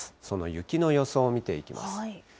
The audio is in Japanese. その雪の予想を見ていきます。